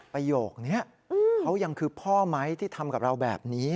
ประโยคนี้เขายังคือพ่อไหมที่ทำกับเราแบบนี้